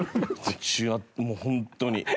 途中もうホントに。